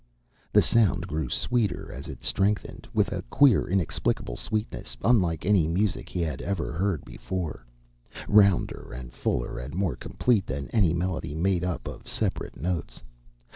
The sound grew sweeter as it strengthened, with a queer, inexplicable sweetness unlike any music he had ever heard before, rounder and fuller and more complete than any melody made up of separate notes.